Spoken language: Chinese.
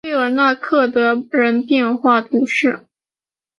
顺治二年。